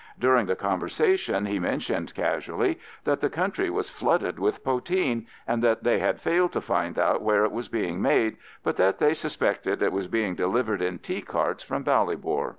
During the conversation he mentioned casually that the country was flooded with poteen, and that they had failed to find out where it was being made, but that they suspected it was being delivered in tea carts from Ballybor.